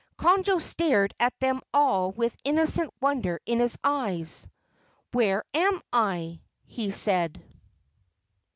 Conjo stared at them all with innocent wonder in his eyes. "Where am I?" he said.